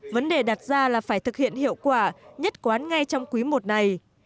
vấn đề đặt ra là phải thực hiện hiệu quả nhất quán ngay trong quý i này